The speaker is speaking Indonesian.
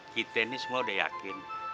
kita ini semua udah yakin